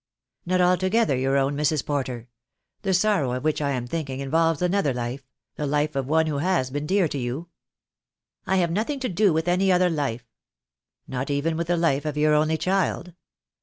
"Not altogether your own, Mrs. Porter. The sorrow of which I am thinking involves another life — the life of one who has been dear to you." "I have nothing to do with any other life." "Not even with the life of your only child?"